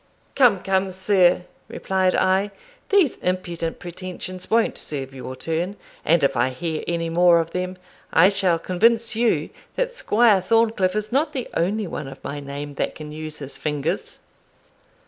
"Come, come, sir," replied I, "these impudent pretensions won't serve your turn; and if I hear any more of them, I shall convince you that Squire Thorncliff is not the only one of my name that can use his fingers."